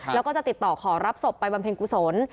แล้วก็จะติดต่อขอรับศพไปบำเพ็ญกุศล